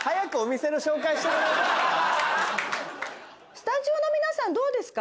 スタジオの皆さんどうですか？